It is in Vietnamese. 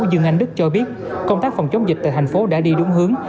dương anh đức cho biết công tác phòng chống dịch tại thành phố đã đi đúng hướng